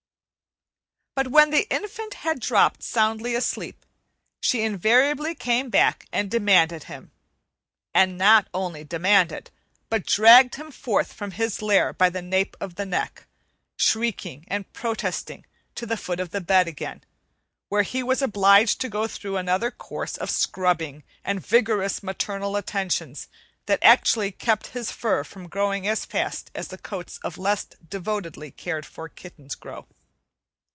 But when the infant had dropped soundly asleep, she invariably came back and demanded him; and not only demanded, but dragged him forth from his lair by the nape of the neck, shrieking and protesting, to the foot of the bed again, where he was obliged to go through another course of scrubbing and vigorous maternal attentions that actually kept his fur from growing as fast as the coats of less devotedly cared for kittens grow.